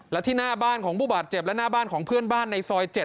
และที่หน้าบ้านของผู้บาดเจ็บและหน้าบ้านของเพื่อนบ้านในซอย๗